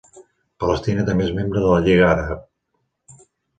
Palestina també és membre de la Lliga Àrab.